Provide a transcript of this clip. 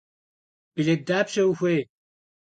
Билет дапщэ ухуей?